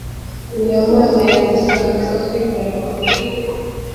iyo mana yadusanzetwigaragura